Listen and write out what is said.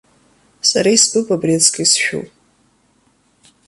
Сара истәуп абри аҵкы исшәу.